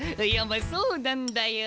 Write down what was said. まあそうなんだよ。